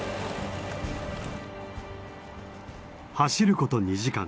走ること２時間。